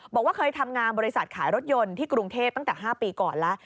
บอกว่าเคยทำงานบริษัทขายรถยนต์ที่กรุงเทพตั้งแต่๕ปีก่อนแล้ว